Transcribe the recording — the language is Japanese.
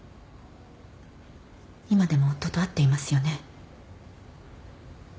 今でも夫と会っていますよね？